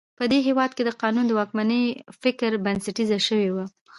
په دې هېواد کې د قانون د واکمنۍ فکر بنسټیزه شوی و.